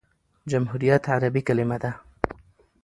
جمهوریت عربي کلیمه ده.